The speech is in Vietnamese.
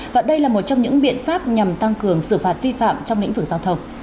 và đây là một trong những biện pháp nhằm tăng cường xử phạt vi phạm trong lĩnh vực giao thông